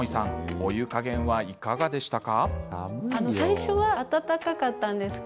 お湯加減はいかがでしたか？